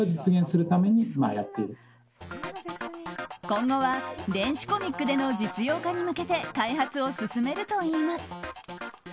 今後は電子コミックでの実用化に向けて開発を進めるといいます。